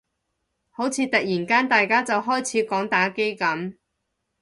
好似突然間大家就開始講打機噉